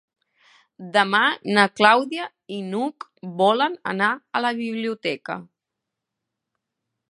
Demà na Clàudia i n'Hug volen anar a la biblioteca.